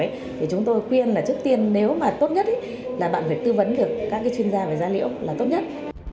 thì chúng tôi khuyên là trước tiên nếu mà tốt nhất là bạn phải tư vấn được các chuyên gia về da liễu là tốt nhất